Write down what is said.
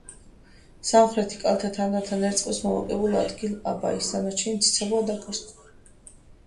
სამხრეთი კალთა თანდათან ერწყმის მოვაკებულ ადგილ აბაის, დანარჩენი ციცაბოა, დაკარსტული.